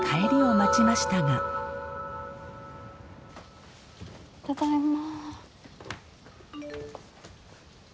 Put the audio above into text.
ただいま。